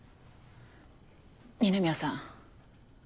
二宮さん。